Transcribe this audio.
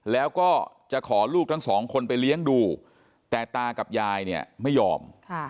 แล้วก็จะขอลูกทั้งสองคนไปเลี้ยงดูแต่ตากับยายเนี่ยไม่ยอม